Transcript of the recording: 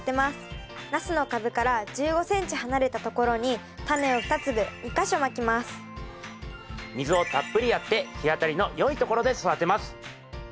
ナスの株から１５ｃｍ離れたところに水をたっぷりやって日当たりのよいところで育てます。